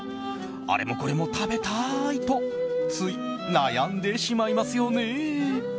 あれもこれも食べたいとつい悩んでしまいますよね。